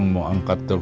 menghebat tuh lo